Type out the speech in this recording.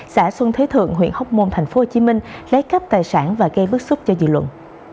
xã xuân thế thượng huyện hốc môn tp hồ chí minh lấy cắp tài sản và gây vứt súc cho dị luận